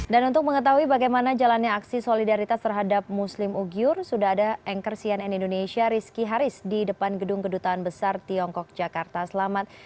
dan untuk mengetahui bagaimana jalannya aksi solidaritas terhadap muslim ugyur sudah ada anchor cnn indonesia rizky haris di depan gedung kedutaan besar tiongkok jakarta selamat